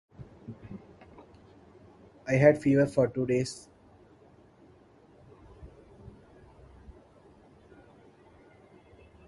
This is not the person we need to run our country.